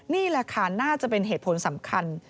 นี่แหละค่ะน่าจะเป็นเหตุผลสำคัญ